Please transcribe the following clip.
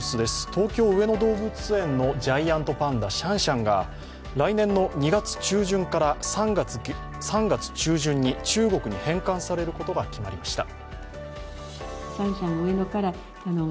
東京・上野動物園のジャイアントパンダ、シャンシャンが来年の２月中旬から３月中旬に中国に返還されることが決まりました。